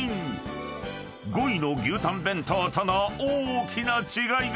［５位の牛たん弁当との大きな違いが］